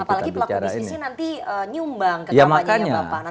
apalagi pelaku bisnis ini nanti nyumbang ke tempatnya ya pak